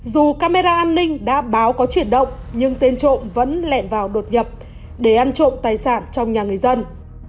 dù camera an ninh đã báo có chuyển động nhưng tên trộm vẫn lẹn vào đột nhập để ăn trộm tài sản trong nhà người dân